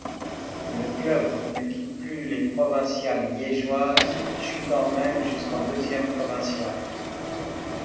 Le club ne quitte plus les provinciales liégeoises, chutant même jusqu'en deuxième provinciale.